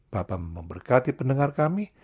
bapak memberkati pendengar kami